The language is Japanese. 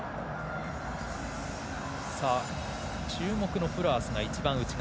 注目のフロアスが一番内側